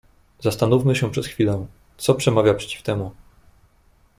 "Zastanówmy się przez chwilę, co przemawia przeciw temu."